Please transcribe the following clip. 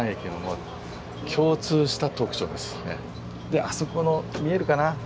であそこの見えるかな？